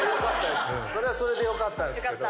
それはそれでよかったですけど。